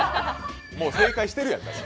もう正解してるやん。